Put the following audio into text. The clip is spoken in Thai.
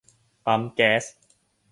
ปั๊มแก๊ส